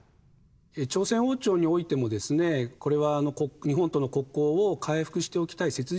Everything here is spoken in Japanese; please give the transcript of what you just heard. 朝鮮王朝においてもですねこれは日本との国交を回復しておきたい切実な理由があったんですね。